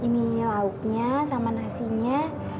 ini lauknya sama nasinya